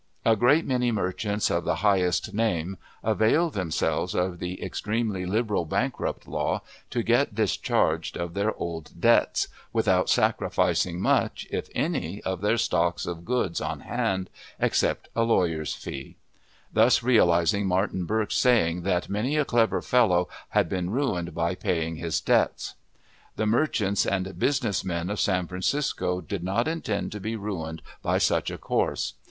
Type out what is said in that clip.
A great many merchants, of the highest name, availed themselves of the extremely liberal bankrupt law to get discharged of their old debts, without sacrificing much, if any, of their stocks of goods on hand, except a lawyer's fee; thus realizing Martin Burke's saying that "many a clever fellow had been ruined by paying his debts." The merchants and business men of San Francisco did not intend to be ruined by such a course.